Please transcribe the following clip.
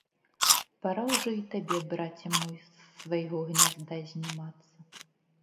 Пара ўжо і табе, браце мой, з свайго гнязда знімацца!